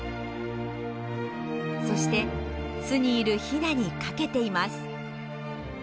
そして巣にいるヒナにかけています。